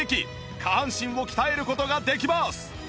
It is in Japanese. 下半身を鍛える事ができます